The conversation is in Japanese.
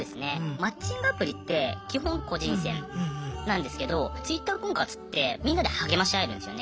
マッチングアプリって基本個人戦なんですけどＴｗｉｔｔｅｒ婚活ってみんなで励まし合えるんですよね。